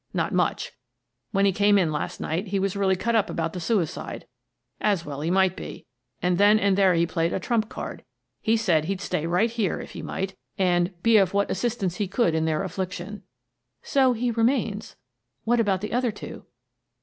Not much. When he came in last night, he was really cut up about the suicide — as well he might be — and then and there he played a trump card: he said he'd stay right here if he might, and ' be of what assistance he could in their affliction.' "" So he remains. What about the other two?